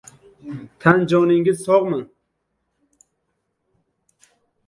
Tan-joningiz sog‘mi?